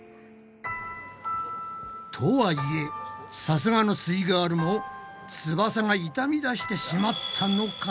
とはいえさすがのすイガールも翼が痛みだしてしまったのか？